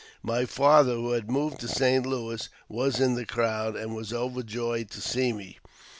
My father, who had moved to St. Louis, was in the crowd, and was overjoyed to see me.